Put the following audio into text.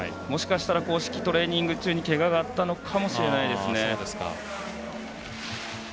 もしかしたら公式トレーニング中にけががあったかもしれませんね。